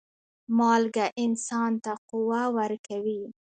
مالګه انسان ته قوه ورکوي.